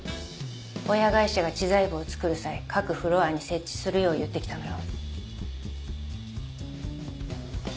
親会社が知財部をつくる際各フロアに設置するよう言ってきたのよ。